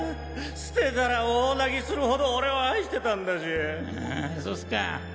捨てたら大泣きするほど俺を愛してたんだそうだ